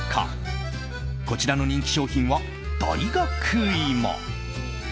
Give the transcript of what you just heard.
こちらの人気商品は、大学いも。